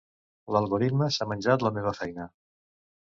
L'algoritme s'ha menjat la meva feina.